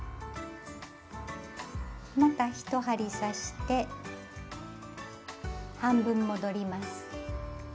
また１針刺して半分戻ります。